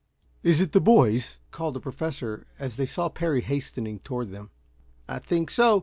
"Is it the boys?" called the Professor, as they saw Parry hastening toward them. "I think so.